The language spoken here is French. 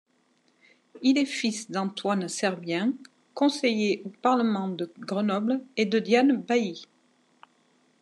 Il est fils d'Antoine Servien, conseiller au parlement de Grenoble, et de Diane Bailly.